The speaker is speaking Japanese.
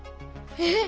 えっ！？